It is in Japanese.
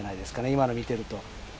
今のを見ていると。